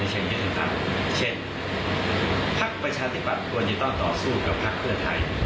เช่นพักประชาธิบัตย์ควรจะต้องต่อสู้กับพักเพื่อไทย